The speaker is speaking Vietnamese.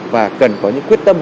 và cần có những quyết tâm